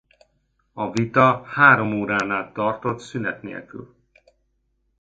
A vita három órán át tartott szünet nélkül.